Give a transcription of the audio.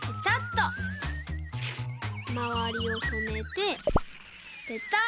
まわりをとめてペタッ！